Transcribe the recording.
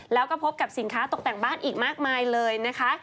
แล้วก็พบกับสินค้าตกแต่งบ้านอีกมากมายเลยนะคะ